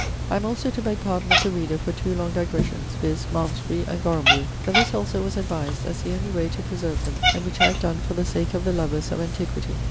I am also to beg pardon of the reader for two long digressions, viz. Malmesbury and Gorambery; but this also was advised, as the only way to preserve them, and which I have donne for the sake of the lovers of antiquity.